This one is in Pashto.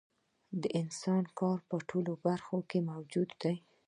د انسان کار په ټولو برخو کې موجود دی